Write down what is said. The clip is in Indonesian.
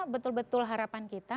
betul betul harapan kita